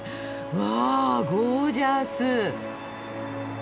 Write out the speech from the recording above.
わゴージャス！